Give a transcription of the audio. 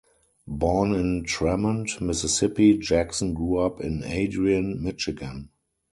Born in Tremont, Mississippi, Jackson grew up in Adrian, Michigan.